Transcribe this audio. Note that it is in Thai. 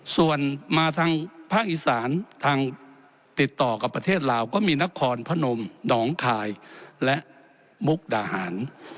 ส่วนมาทางภาคอีสานทางติดต่อกับประเทศลาวก็มีนครพนมหนองคายและมุกดาหาร